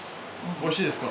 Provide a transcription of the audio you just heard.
おいしいですか。